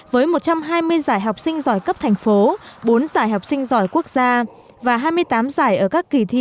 với một trăm hai mươi giải học sinh giỏi cấp thành phố bốn giải học sinh giỏi quốc gia và hai mươi tám giải ở các kỳ thi